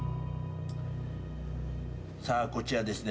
さあこちらですね